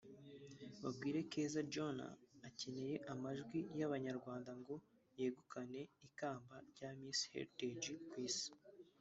Bagwire Keza Joannah akeneye amajwi y’Abanyarwanda ngo yegukana ikamba rya Miss Hertage ku isi